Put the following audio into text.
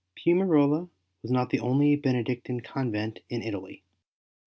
Piumarola was not the only Benedictine convent in Italy.